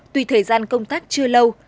tuy thời gian công tác chưa lâu